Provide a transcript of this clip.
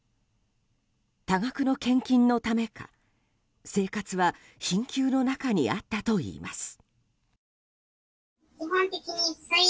多額の献金のためか、生活は貧窮の中にあったといいます。